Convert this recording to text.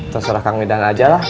terserah kang medan aja lah